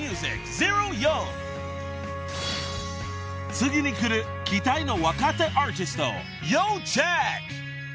［次にくる期待の若手アーティスト要チェック］